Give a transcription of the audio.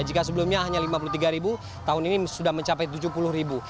jika sebelumnya hanya lima puluh tiga ribu tahun ini sudah mencapai tujuh puluh ribu